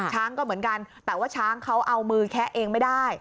ช้างก็เหมือนกันแต่ว่าช้างเขาเอามือแคะเองไม่ได้